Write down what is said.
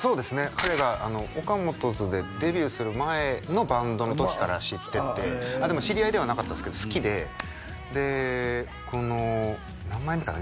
彼がＯＫＡＭＯＴＯ’Ｓでデビューする前のバンドの時から知っててでも知り合いではなかったんですけど好きででこの何枚目かな？